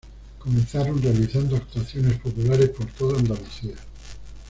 Comenzaron realizando actuaciones populares por toda Andalucía.